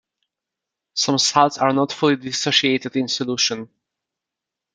Some salts are not fully dissociated in solution.